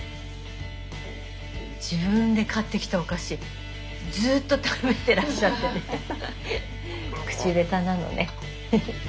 自分で買ってきたお菓子ずっと食べてらっしゃって口べたなのねフフ。